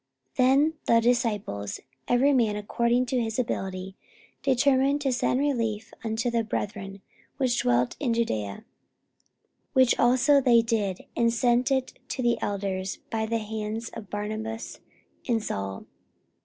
44:011:029 Then the disciples, every man according to his ability, determined to send relief unto the brethren which dwelt in Judaea: 44:011:030 Which also they did, and sent it to the elders by the hands of Barnabas and Saul.